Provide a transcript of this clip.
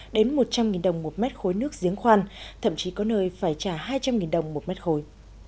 đến một trăm linh đồng một mét khối nước giếng khoan thậm chí có nơi phải trả hai trăm linh đồng một mét khối